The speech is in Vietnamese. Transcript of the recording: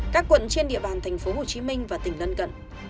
các quận trên địa bàn thành phố hồ chí minh và tỉnh lân cận